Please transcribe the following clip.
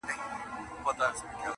لکه لېوه یې نه ګورې چاته٫